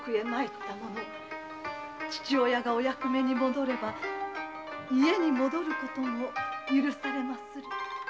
父親がお役目に戻れば家に戻ることも許されまする。